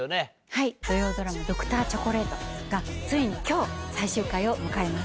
はい土曜ドラマ『Ｄｒ．チョコレート』がついに今日最終回を迎えます。